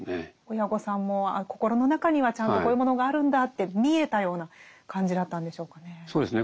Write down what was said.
親御さんもあ心の中にはちゃんとこういうものがあるんだって見えたような感じだったんでしょうかね。